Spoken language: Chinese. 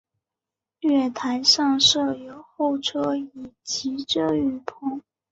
月台上设有候车椅及遮雨棚。